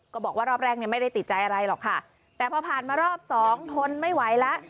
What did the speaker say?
ก็บอกว่ารอบแรกเนี่ยไม่ได้ติดใจอะไรหรอกค่ะแต่พอผ่านมารอบสองทนไม่ไหวแล้ว